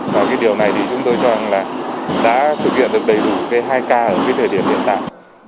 và cái điều này thì chúng tôi cho rằng là đã thực hiện được đầy đủ cái hai ca ở cái thời điểm hiện tại